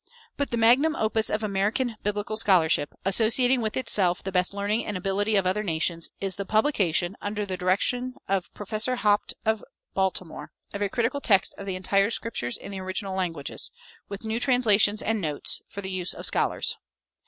But the magnum opus of American biblical scholarship, associating with itself the best learning and ability of other nations, is the publication, under the direction of Professor Haupt, of Baltimore, of a critical text of the entire Scriptures in the original languages, with new translations and notes, for the use of scholars.